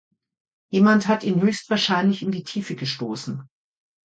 Jemand hat ihn höchstwahrscheinlich in die Tiefe gestoßen.